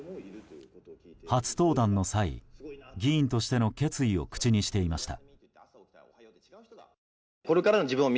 初登壇の際、議員としての決意を口にしていました。